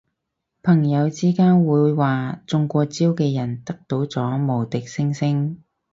朋友之間會話中過招嘅人得到咗無敵星星